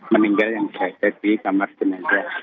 meninggal yang berada di kamar jenazah